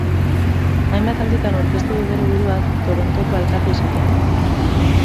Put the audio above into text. Hainbat alditan aurkeztu du bere burua Torontoko alkate izateko.